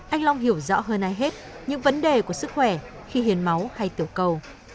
anh long hiểu rõ hơn ai hết những vấn đề của sức khỏe khi hiến máu hay tiểu cầu